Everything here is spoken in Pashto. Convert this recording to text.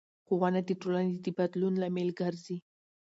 ښوونه د ټولنې د بدلون لامل ګرځي